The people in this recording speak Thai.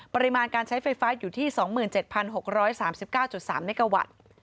ปริมาณการใช้ไฟฟ้าอยู่ที่๒๗๖๓๙๓เมกาวัตต์